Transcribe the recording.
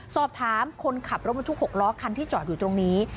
สอบถามคนขับรถบรรทุก๖ล้อคันที่จอดอยู่ตรงนี้